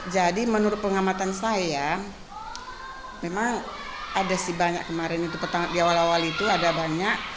jadi menurut pengamatan saya memang ada banyak kemarin di awal awal itu ada banyak